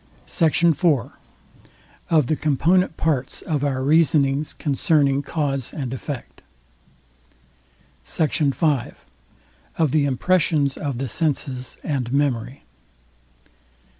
SECT. IV. OF THE COMPONENT PARTS OF OUR REASONINGS CONCERNING CAUSE AND EFFECT. SECT. V. OF THE IMPRESSIONS OF THE SENSES AND MEMORY.